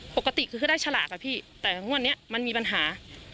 ปกติคือเขาได้ฉลากอะพี่แต่งวดนี้มันมีปัญหา